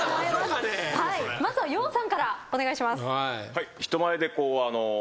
まずはＹＯＨさんからお願いします。